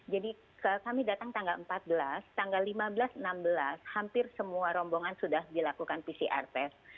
jadi kami datang tanggal empat belas tanggal lima belas enam belas hampir semua rombongan sudah dilakukan pcr test